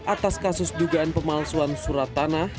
atas kasus dugaan pemalsuan surat tanah